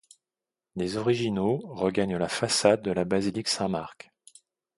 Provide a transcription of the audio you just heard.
Les originaux regagnent la façade de la basilique Saint-Marc.